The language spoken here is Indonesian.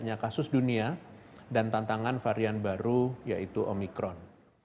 banyak kasus dunia dan tantangan varian baru yaitu omikron